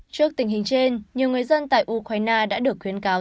trước tình hình trên nhiều người dân tại ukraine đã được khuyến cáo